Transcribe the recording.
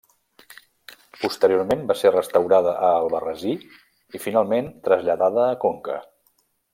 Posteriorment va ser restaurada a Albarrasí i, finalment, traslladada a Conca.